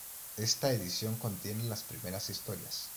Esta edición contiene las primeras historias.